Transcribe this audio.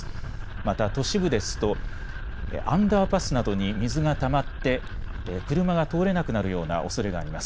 また都市部ですとアンダーパスなどに水がたまって車が通れなくなるようなおそれがあります。